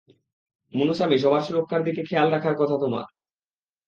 মুনুসামি সবার সুরক্ষার দিকে খেয়াল রাখার কথা তোমার।